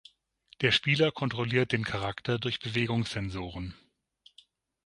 Der Spieler kontrolliert den Charakter durch Bewegungssensoren.